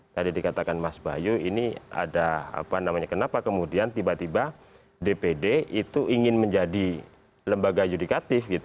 tadi dikatakan mas bayu ini ada kenapa kemudian tiba tiba dpd ingin menjadi lembaga judikatif